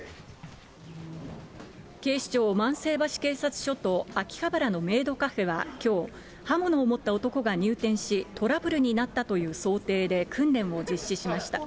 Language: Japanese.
警視庁万世橋警察署と、秋葉原のメイドカフェはきょう、刃物を持った男が入店し、トラブルになったという想定で訓練を実施しました。